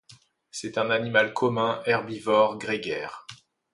C'est un animal commun, herbivore, grégaire.